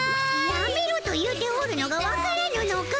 やめろと言うておるのがわからぬのか。